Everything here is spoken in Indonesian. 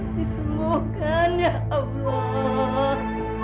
dismukkan ya allah